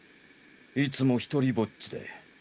いつも独りぼっちで。